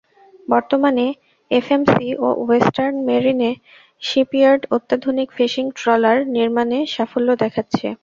বর্তমানে এফএমসি এবং western marine shipyard অত্যাধুনিক ফিশিং ট্রলার নির্মাণে সাফল্য দেখাচ্ছে।